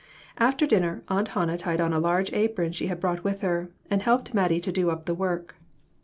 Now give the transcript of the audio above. After dinner Aunt Hannah tied on a large apron she had brought with her, and helped Mat tie do up the work.